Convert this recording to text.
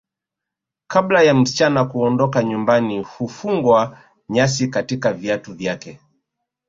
Kabla ya msichana kuondoka nyumbani hufungwa nyasi katika viatu vyake